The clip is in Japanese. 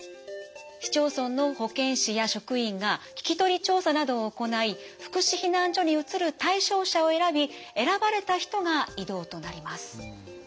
市町村の保健師や職員が聞き取り調査などを行い福祉避難所に移る対象者を選び選ばれた人が移動となります。